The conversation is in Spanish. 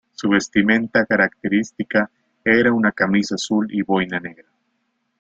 Su vestimenta característica era una camisa azul y boina negra.